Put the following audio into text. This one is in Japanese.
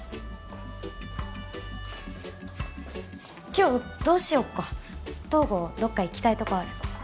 今日どうしよっか東郷どっか行きたいとこある？